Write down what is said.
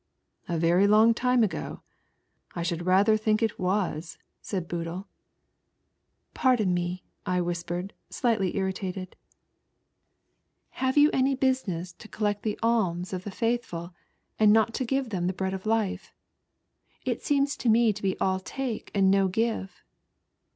" A very long time ago ? I should rayther think it was," said Boodle. " Pardon me," I whispered, slightly irritated, " Have you any busineBS to collect the alms of the HOW I WENT TO CHURCH WITH BOODLE. 2^ Faithful and not to give them the Bread of Life ? It seems to me to be all take and no give."